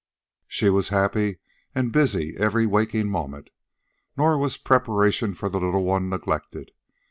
She was happy and busy every waking moment, nor was preparation for the little one neglected.